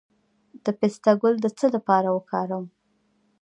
د پسته ګل د څه لپاره وکاروم؟